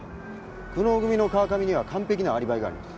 久能組の川上には完璧なアリバイがあります。